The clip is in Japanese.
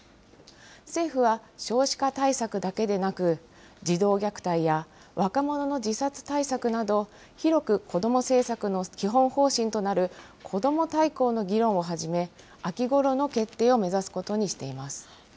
政府は少子化対策だけでなく、児童虐待や若者の自殺対策など、広く子ども政策の基本方針となるこども大綱の議論を始め、秋ごろの決定を目指すことにしています。